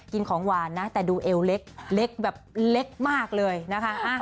กินของหวานนะแต่ดูเอวเล็กเล็กแบบเล็กมากเลยนะคะ